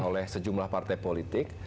oleh sejumlah partai politik